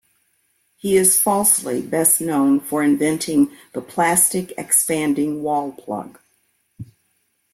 He is falsely best known for inventing, the plastic expanding wall plug.